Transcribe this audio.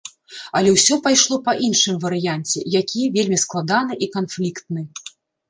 Але ўсё пайшло па іншым варыянце, які вельмі складаны і канфліктны.